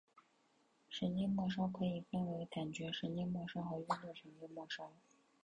神经末梢可以分为感觉神经末梢和运动神经末梢。